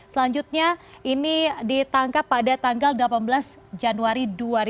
selanjutnya ini ditangkap pada tanggal delapan belas januari dua ribu dua puluh